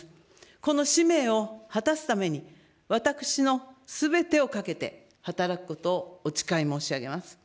この使命を果たすために、私のすべてを懸けて働くことをお誓い申し上げます。